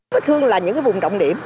vết thương là những vùng động điểm